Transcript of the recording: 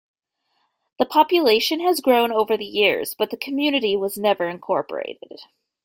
The population has grown over the years but the community was never incorporated.